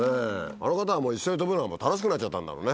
あの方はもう一緒に飛ぶのが楽しくなっちゃったんだろうね。